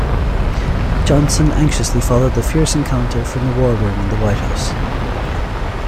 Johnson anxiously followed the fierce encounter from the war room in the White House.